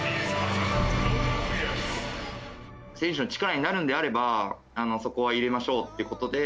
選手の力になるんであれば、そこは入れましょうということで。